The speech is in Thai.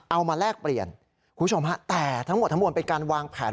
เอามาแลกเปลี่ยนแต่ทั้งหมดเป็นการวางแผน